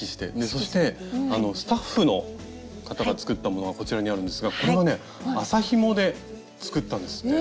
そしてスタッフの方が作ったものがこちらにあるんですがこれはね麻ひもで作ったんですって。